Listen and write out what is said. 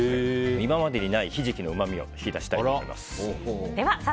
今までにないヒジキのうまみを引き出したいと思います。